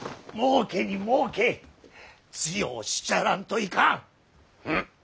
もうけにもうけ強うしちゃらんといかん。